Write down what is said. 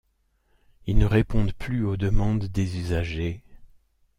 Ils ne répondent plus aux demandes des usagers.